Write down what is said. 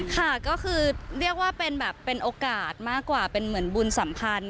ค่ะก็คือเรียกว่าเป็นแบบเป็นโอกาสมากกว่าเป็นเหมือนบุญสัมพันธ์